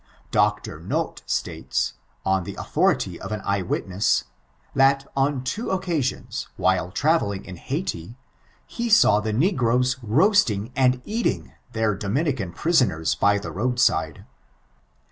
Dr. Nott atatea, on the authority of an eye witness, that, on two occasions, while travelliag in Hayti, he saw the negroes roasting and eating their Dominican priaonera by the road side.